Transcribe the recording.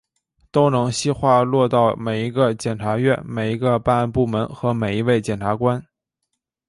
都能细化落到每一个检察院、每一个办案部门和每一位检察官